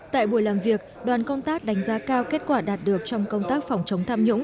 tại buổi làm việc đoàn công tác đánh giá cao kết quả đạt được trong công tác phòng chống tham nhũng